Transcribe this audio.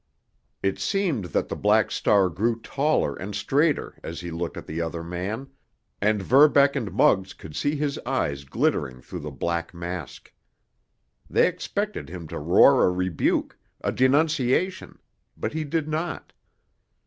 It seemed that the Black Star grew taller and straighter as he looked at the other man, and Verbeck and Muggs could see his eyes glittering through the black mask. They expected him to roar a rebuke, a denunciation, but he did not.